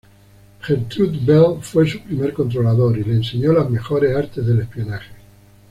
Gertrude Bell fue su primer controlador y le enseñó las mejores artes del espionaje.